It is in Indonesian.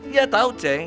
iya tahu ceng